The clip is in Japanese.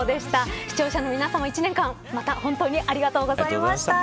視聴者の皆さま１年間、また本当にありがとうございました。